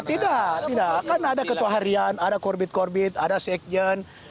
tidak tidak kan ada ketua harian ada korbit korbit ada sekjen